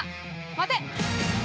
待て。